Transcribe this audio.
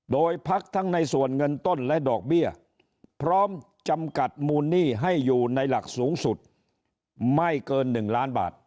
โดยพักทั้งในส่วนเงินต้นและดอกเบี้ยพร้อมจำกัดมูลหนี้ให้อยู่ในหลักสูงสุดไม่เกิน๑ล้านบาท